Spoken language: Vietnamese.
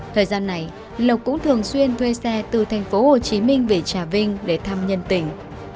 thời gian này lộc cũng thường xuyên thuê xe từ tp hcm về trà vinh để thăm nhân tình